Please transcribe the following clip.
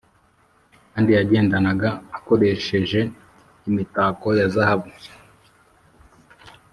kandi yagendanaga akoresheje imitako ya zahabu,